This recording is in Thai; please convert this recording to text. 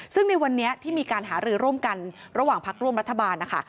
ซึ่งในวันนี้ที่มีการหารือร่วมกันระหว่างพักร่วมรัฐบาลนะคะ